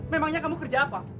memangnya kamu kerja apa